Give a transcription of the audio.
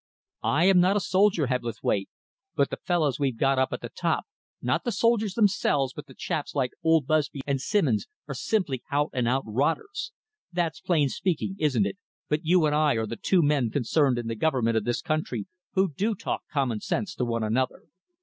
I am not a soldier, Hebblethwaite, but the fellows we've got up at the top not the soldiers themselves but the chaps like old Busby and Simons are simply out and out rotters. That's plain speaking, isn't it, but you and I are the two men concerned in the government of this country who do talk common sense to one another.